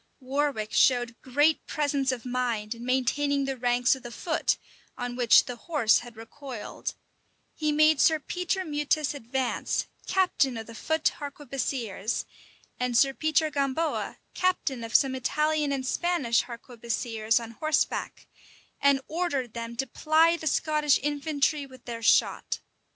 Warwick showed great presence of mind in maintaining the ranks of the foot, on which the horse had recoiled: he made Sir Peter Meutas advance, captain of the foot harquebusiers, and Sir Peter Gamboa, captain of some Italian and Spanish harquebusiers on horseback; and ordered them to ply the Scottish infantry with their shot.